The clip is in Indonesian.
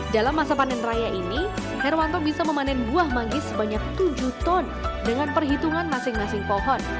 dalam masa panen raya ini herwanto bisa memanen buah manggis sebanyak tujuh ton dengan perhitungan masing masing pohon